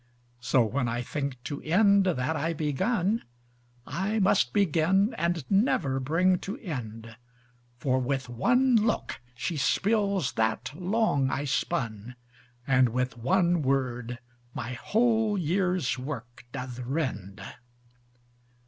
So when I think to end that I begun, I must begin and never bring to end: For with one look she spills that long I spun, And with one word my whole year's work doth rend.